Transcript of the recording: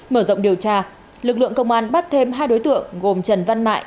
mở rộng điều tra lực lượng công an bắt thêm hai đối tượng gồm trần văn